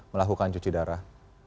melakukan cuci darah